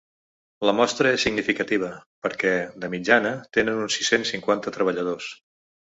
La mostra és significativa, perquè, de mitjana, tenen uns sis-cents cinquanta treballadors.